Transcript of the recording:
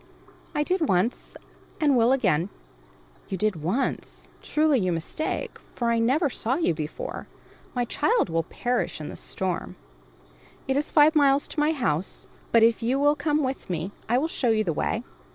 "I did once, and will again." "You did once? Truly you mistake, for I never saw you before. My child will perish in this storm." "It is five miles to my house; but if you will come with me I will show you the way."